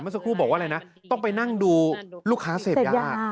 สักครู่บอกว่าอะไรนะต้องไปนั่งดูลูกค้าเสพยา